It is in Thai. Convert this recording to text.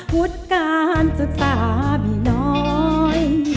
วุฒิการศึกษามีน้อย